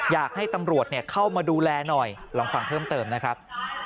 อยากให้ตำรวจเข้ามาดูแลหน่อยลองฟังเพิ่มเติมนะครับ